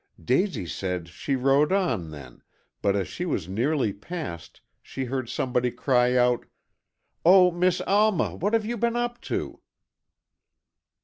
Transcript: "Daisy said, she rowed on then, but as she was nearly past, she heard somebody cry out, 'Oh, Miss Alma, what have you been up to?